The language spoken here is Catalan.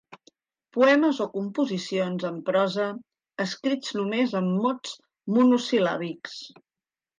Poemes o composicions en prosa escrits només amb mots monosil·làbics.